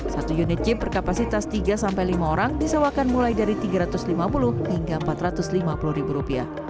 satu unit jeep berkapasitas tiga sampai lima orang disewakan mulai dari rp tiga ratus lima puluh hingga rp empat ratus lima puluh